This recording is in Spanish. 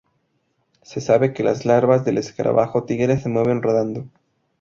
Se sabe que las larvas del escarabajo tigre se mueven rodando.